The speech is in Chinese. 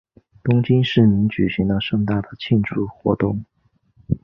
东京市民举行了盛大的庆祝活动。